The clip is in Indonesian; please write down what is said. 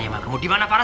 sekarang gimana farah